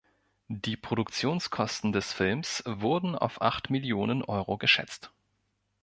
Die Produktionskosten des Films wurden auf acht Millionen Euro geschätzt.